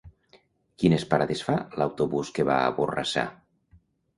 Quines parades fa l'autobús que va a Borrassà?